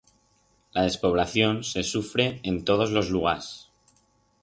La despoblación se sufre en todos los lugars.